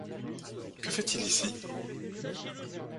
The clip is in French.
Que fait-il ici ?